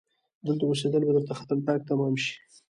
دلته اوسيدل به درته خطرناک تمام شي!